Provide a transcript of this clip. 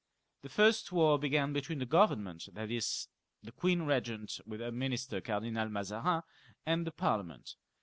The first war began between the Government, that is the Queen Begent, with her minister. Cardinal Mazarin, and the Parliament.